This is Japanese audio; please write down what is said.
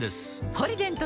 「ポリデント」